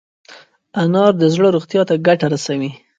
انار د زړه روغتیا ته ګټه رسوي.